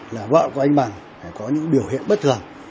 là vợ của anh bằng có những biểu hiện bất thường